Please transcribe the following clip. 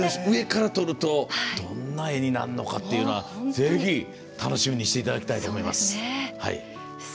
上から撮るとどんな絵になんのかっていうのはぜひ楽しみにしていただきたいと思います。